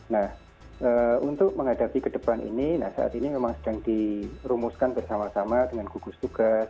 nah untuk menghadapi ke depan ini nah saat ini memang sedang dirumuskan bersama sama dengan gugus tugas